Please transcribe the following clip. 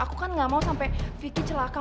aku kan gak mau sampai vicky celaka